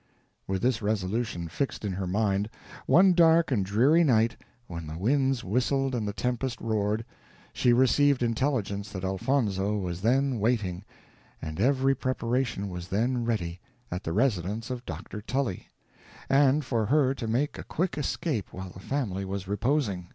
With this resolution fixed in her mind, one dark and dreary night, when the winds whistled and the tempest roared, she received intelligence that Elfonzo was then waiting, and every preparation was then ready, at the residence of Dr. Tully, and for her to make a quick escape while the family was reposing.